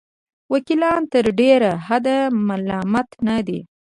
وکیلان تر ډېره حده ملامت نه دي.